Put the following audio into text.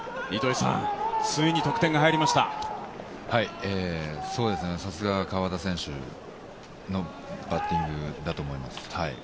さすが川端選手のバッティングだと思います。